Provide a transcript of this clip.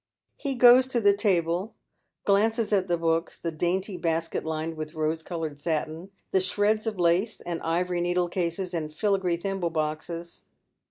He goes to the table, glances at the books, the dainty basket lined with rose coloured satin, the shreds of lace, and ivory needle cases and filigree thimble boxes.